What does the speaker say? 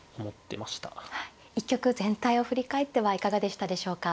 一局全体を振り返ってはいかがでしたでしょうか。